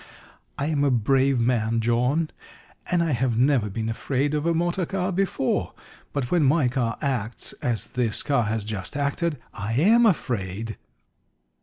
I am a brave man, John, and I have never been afraid of a motor car before, but when my car acts as this car has just acted, I am afraid!"